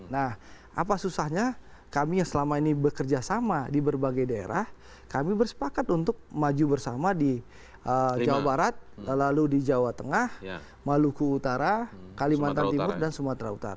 nah apa susahnya kami yang selama ini bekerja sama di berbagai daerah kami bersepakat untuk maju bersama di jawa barat lalu di jawa tengah maluku utara kalimantan timur dan sumatera utara